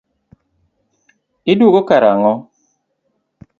Iduogo kar ang'o?